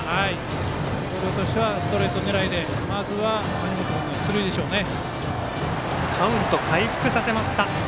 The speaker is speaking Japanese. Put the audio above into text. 広陵としてはストレート狙いで谷本君の出塁でしょうね。